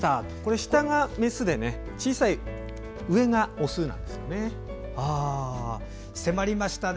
下がメスで、小さい上がオスなんですよね。